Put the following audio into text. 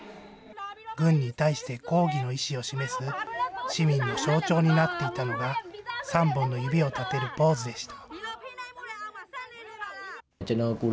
軍に対して抗議の意志を示す市民の象徴になっていたのが、３本の指を立てるポーズでした。